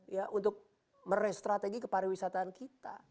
ya untuk merestrategi ke para wisata kita